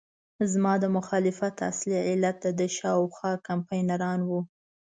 زما د مخالفت اصلي علت دده شاوخوا کمپاینران وو.